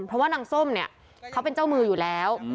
เพราะว่านางส้มเนี่ยเขาเป็นเจ้ามืออยู่แล้ว